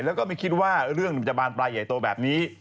แล้วก็ไม่คิดว่าเรื่องมันจะบานปลายใหญ่โตแบบนี้